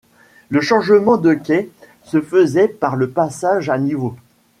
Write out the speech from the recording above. Le changement de quai se faisait par le passage à niveau.